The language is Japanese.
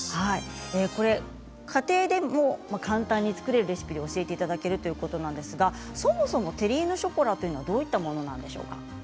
これは家庭でも簡単に作れるレシピを教えていただけるということなんですがそもそもテリーヌショコラはどういったものですか？